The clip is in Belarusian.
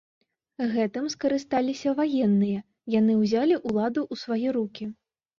Гэтым скарысталіся ваенныя, яні ўзялі ўладу ў свае рукі.